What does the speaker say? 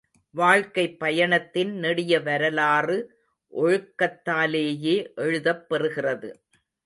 வாழ்க்கைப் பயணத்தின் நெடிய வரலாறு ஒழுக்கத்தாலேயே எழுதப் பெறுகிறது.